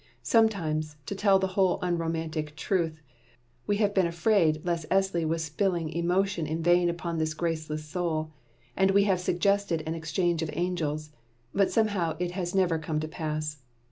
Sometimes, to tell the whole unromantic truth, we have been afraid less Esli was spilling emotion in vain upon this graceless soul; and we have suggested an exchange of angels but somehow it has never come to pass.